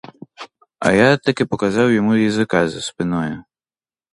А я таки показав йому язика за спиною.